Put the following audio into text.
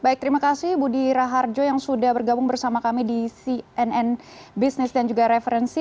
baik terima kasih budi raharjo yang sudah bergabung bersama kami di cnn business dan juga referensi